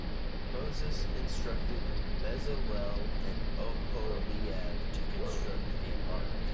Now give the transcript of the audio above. Moses instructed Bezalel and Oholiab to construct the Ark.